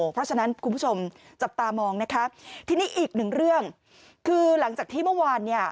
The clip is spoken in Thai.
เพราะฉะนั้นคุณผู้ชมจับตามองนะคะทีนี้อีกหนึ่งเรื่องคือหลังจากที่เมื่อวานเนี่ย